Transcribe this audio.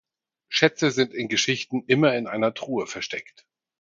Schätze sind in Geschichten immer in einer Truhe versteckt.